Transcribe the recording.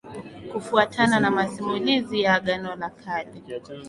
Kufuatana na masimulizi ya Agano la Kale